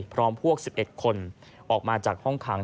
พร้อมพวก๑๑คนออกมาจากห้องขัง